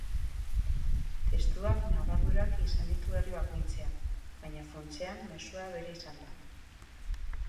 Testuak ñabardurak izan ditu herri bakoitzean, baina funtsean mezua bera izan da.